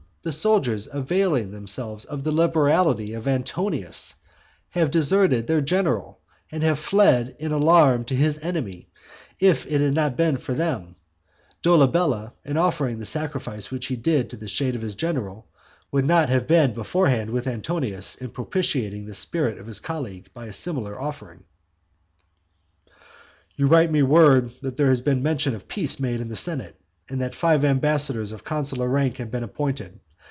The soldiers availing themselves of the liberality of Antonius have deserted their general, and have fled in alarm to his enemy, and if it had not been for them, Dolabella, in offering the sacrifice which he did to the shade of his general, would not have been beforehand with Antonius in propitiating the spirit of his colleague by a similar offering. "You write me word that there has been mention of peace made in the senate, and that five ambassadors of consular rank have been appointed.